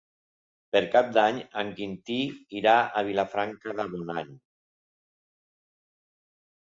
Per Cap d'Any en Quintí irà a Vilafranca de Bonany.